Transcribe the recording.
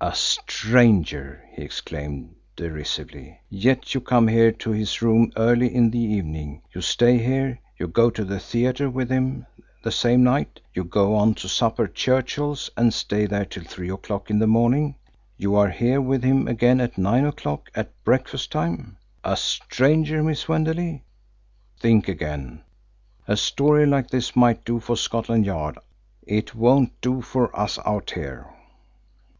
"A stranger!" he exclaimed derisively. "Yet you come here to his rooms early in the evening, you stay here, you go to the theatre with him the same night, you go on to supper at Churchill's and stay there till three o'clock in the morning, you are here with him again at nine o'clock at breakfast time. A stranger, Miss Wenderley? Think again! A story like this might do for Scotland Yard. It won't do for us out here."